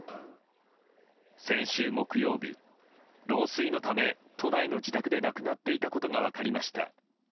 先週木曜日、老衰のため都内の自宅で亡くなっていたことが分かりました。